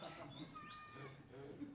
aduh perut gue sakit banget